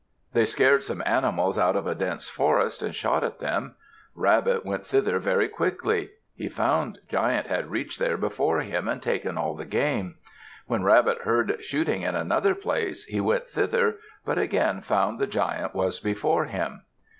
They scared some animals out of a dense forest and shot at them. Rabbit went thither very quickly. He found Giant had reached there before him and taken all the game. When Rabbit heard shooting in another place, he went thither, but again found the Giant was before him.